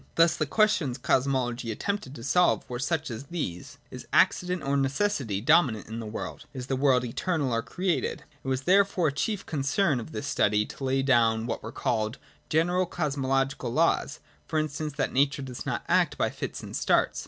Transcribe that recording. Thus the questions Cosmology attempted to solve were such as these : Is accident or necessity dominant in the world ? Is the world eternal or created ? It was therefore a chief con cern of this study to lay down what were called general Cosmological laws : for instance, that Nature does not act by fits and starts.